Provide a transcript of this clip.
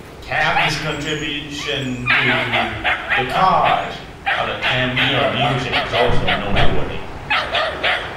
Kalki's contribution to the cause of Tamil music is also noteworthy.